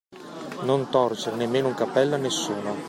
Non torcere [nemmeno] un capello a nessuno.